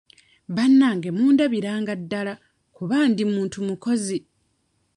Bannange mundabiranga ddala kuba ndi muntu mukozi.